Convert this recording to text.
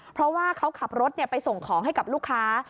เพราะว่าเขาขับรถไปส่งของให้กับลูกค้า